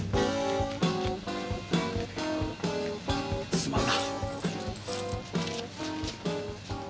すまんな。